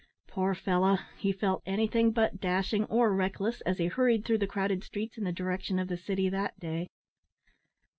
Poor fellow! he felt anything but dashing or reckless as he hurried through the crowded streets in the direction of the city that day.